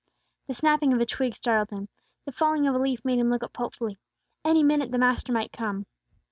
The snapping of a twig startled him; the falling of a leaf made him look up hopefully. Any minute the Master might come.